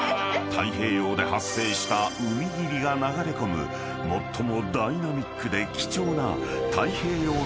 ［太平洋で発生した海霧が流れ込む最もダイナミックで貴重な］